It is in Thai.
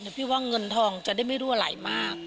แต่พี่ว่าเงินทองจะได้ไม่รู้อะไรมาก